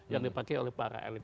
yang dipakai oleh para elit